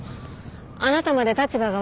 あなたまで立場が悪くなる。